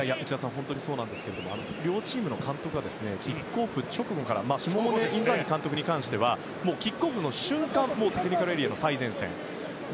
本当にそうなんですが両チームの監督がキックオフ直後からシモーネ・インザーギ監督に関してはキックオフの瞬間にもうテクニカルエリアの最前線にいて。